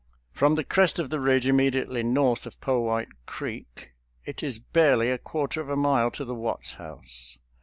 From the crest of the ridge immediately north of Powhite Creek it is barely a quarter of a mile to the Watts house.